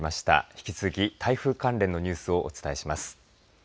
引き続き台風関連のニュースをお伝えします。